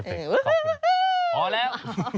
พอแล้ว